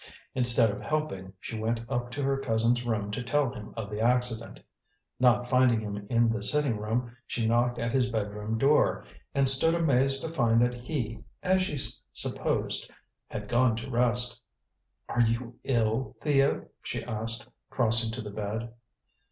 Instead of helping, she went up to her cousin's room to tell him of the accident. Not finding him in the sitting room, she knocked at his bed room door, and stood amazed to find that he as she supposed had gone to rest. "Are you ill, Theo?" she asked, crossing to the bed.